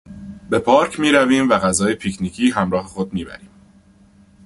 به پارک میرویم و غذای پیکنیکی همراه خود میبریم.